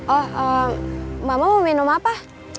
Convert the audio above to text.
oh mama mau minum apa